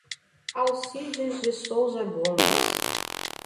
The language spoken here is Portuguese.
Alcides de Souza Gomes